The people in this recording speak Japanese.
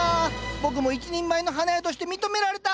僕も一人前の花屋として認められた！